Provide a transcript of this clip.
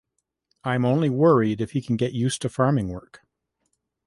I’m only worried if he can get used to farming work.